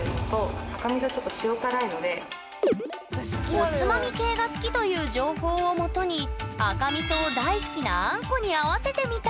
おつまみ系が好きという情報を基に赤みそを大好きなあんこに合わせてみた！